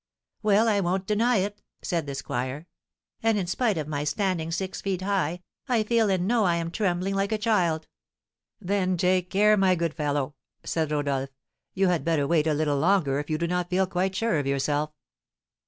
"Well, I won't deny it!" said the squire. "And, spite of my standing six feet high, I feel and know I am trembling like a child." "Then take care, my good fellow!" said Rodolph. "You had better wait a little longer if you do not feel quite sure of yourself."